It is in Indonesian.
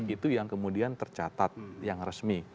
itu yang kemudian tercatat yang resmi